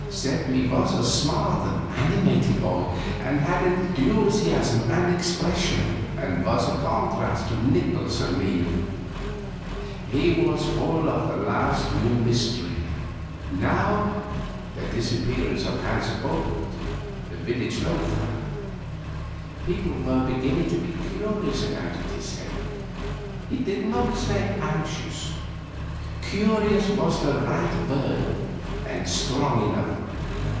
Seppi was a smart and animated boy, and had enthusiasm and expression, and was a contrast to Nikolaus and me. He was full of the last new mystery, now the disappearance of Hans Oppert, the village loafer. People were beginning to be curious about it, he said. He did not say anxious curious was the right word, and strong enough.